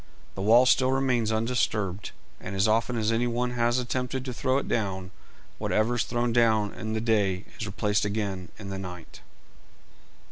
The wall still remains undisturbed, and as often as any one has attempted to throw it down, whatever is thrown down in the day is replaced again in the night.